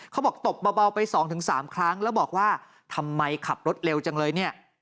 ตบเบาไป๒๓ครั้งแล้วบอกว่าทำไมขับรถเร็วจังเลยเนี่ย